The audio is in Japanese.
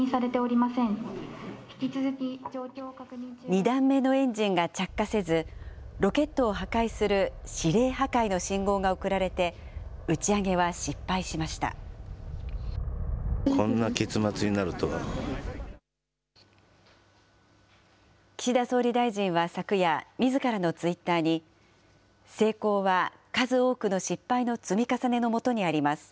２段目のエンジンが着火せず、ロケットを破壊する指令破壊の信号が送られて、岸田総理大臣は昨夜、みずからのツイッターに、成功は数多くの失敗の積み重ねのもとにあります。